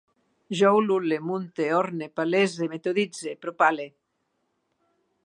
Jo ulule, munte, orne, palese, metoditze, propale